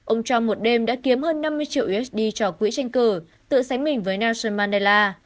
ông trump một đêm đã kiếm hơn năm mươi triệu usd cho quỹ tranh cử tự sánh mình với nasomanella